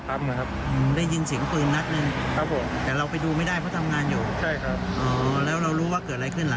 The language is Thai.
เพราะว่าคนร้ายถือมีดไปทำร้ายคนอื่นนะครับ